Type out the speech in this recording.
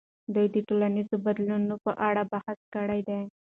دوی د ټولنیز بدلون په اړه بحث کړی دی.